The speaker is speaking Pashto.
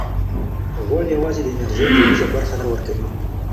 غوړ یوازې د انرژۍ ټولیزه برخه نه ورکوي.